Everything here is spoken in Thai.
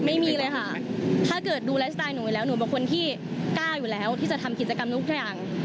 ไม่มีเลยค่ะถ้าเกิดดูไลฟ์สไตล์หนูแล้วหนูเป็นคนที่กล้าอยู่แล้วที่จะทำกิจกรรมทุกอย่าง